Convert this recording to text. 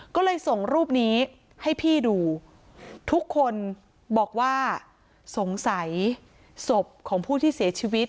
ก็เลยส่งรูปนี้ให้พี่ดูทุกคนบอกว่าสงสัยศพของผู้ที่เสียชีวิต